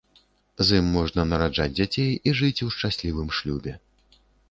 З ім можна нараджаць дзяцей і жыць у шчаслівым шлюбе.